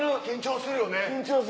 緊張するよね。